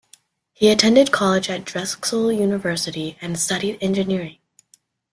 He attended college at Drexel University and studied engineering.